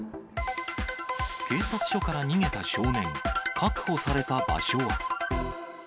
警察署から逃げた少年、確保された場所は？